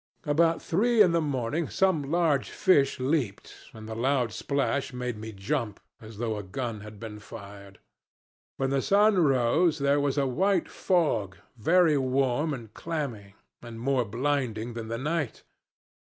About three in the morning some large fish leaped, and the loud splash made me jump as though a gun had been fired. When the sun rose there was a white fog, very warm and clammy, and more blinding than the night.